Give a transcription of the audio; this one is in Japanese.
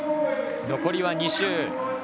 残りは２周。